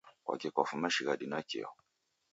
kwaki kwafuma shighadi nakio?